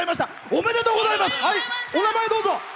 お名前、どうぞ。